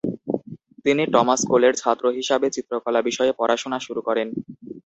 তিনি টমাস কোলের ছাত্র হিসাবে চিত্রকলা বিষয়ে পড়াশুনা শুরু করেন।